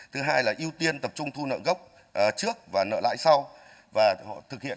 thứ hai là ưu tiên tập trung thu nợ gốc trước và nợ lại sau và thực hiện